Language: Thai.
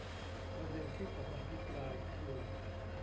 ประเด็นที่ผมอภิปรายคือ